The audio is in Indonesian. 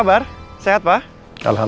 abah di hospital ya